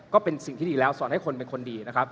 ก็เป็นสิ่งที่ดีแล้วสอนให้คนเป็นคนดีนะครับ